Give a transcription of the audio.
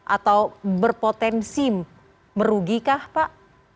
atau berpotensi merugikah pak